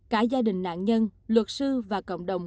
cả gia đình nạn nhân luật sư và cộng đồng